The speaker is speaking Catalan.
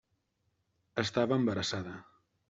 Estava embarassada.